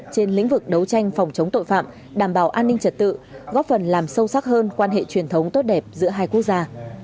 trên lĩnh vực đấu tranh phòng chống tội phạm đảm bảo an ninh trật tự góp phần làm sâu sắc hơn quan hệ truyền thống tốt đẹp giữa hai quốc gia